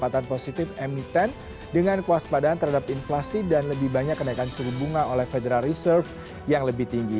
peningkatan positif emiten dengan kewaspadaan terhadap inflasi dan lebih banyak kenaikan suku bunga oleh federal reserve yang lebih tinggi